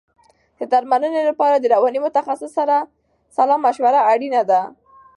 د درملنې لپاره د رواني متخصص سره سلا مشوره اړینه ده.